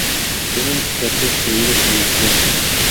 Tuvo un trato fluido con El Greco.